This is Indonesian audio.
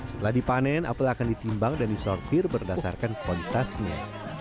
setelah dipanen apel akan ditimbang dan disortir berdasarkan kualitasnya